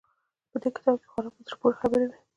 په دې کتاب کښې خورا په زړه پورې خبرې وې.